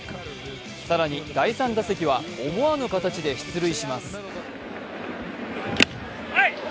更に、第３打席は思わぬ形で出塁します。